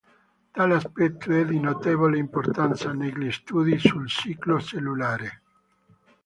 Tale aspetto è di notevole importanza negli studi sul ciclo cellulare.